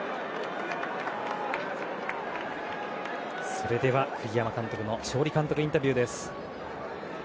それでは栗山監督の勝利監督インタビューです。